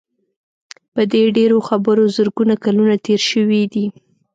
په دې ډېرو خبرو زرګونه کلونه تېر شوي دي.